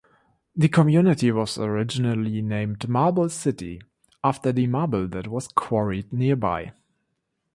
The community was originally named Marble City, after the marble that was quarried nearby.